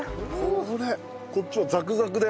これこっちはザクザクで。